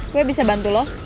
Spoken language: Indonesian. gue bisa bantu lo